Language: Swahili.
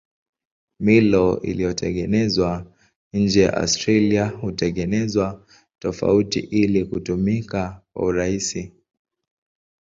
Milo iliyotengenezwa nje ya Australia hutengenezwa tofauti ili kutumika kwa urahisi.